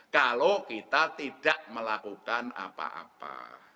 kalau kita tidak melakukan apa apa